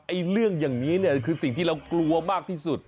เรื่องอย่างนี้เนี่ยคือสิ่งที่เรากลัวมากที่สุด